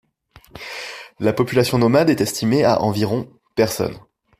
La population nomade est estimée à environ personnes.